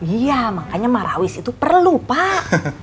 iya makanya marawis itu perlu pak